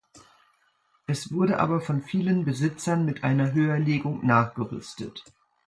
Es wurde aber von vielen Besitzern mit einer Höherlegung nachgerüstet.